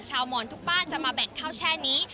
หมอนทุกบ้านจะมาแบ่งข้าวแช่นี้